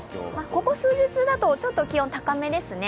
ここ数日だと、ちょっと気温高めですね。